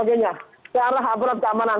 ke arah aparat keamanan